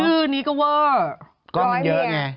ชื่อนี้ก็ว่า